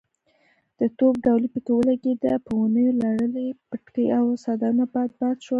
د توپ ډولۍ پکې ولګېده، په ونيو لړلي پټکي او څادرونه باد باد شول.